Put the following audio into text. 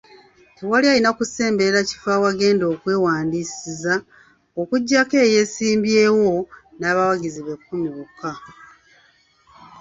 Tewali alina kusemberera kifo ewagenda okwewandisizza okuggyako eyeesimbyewo n'abawagizi be kumi bokka.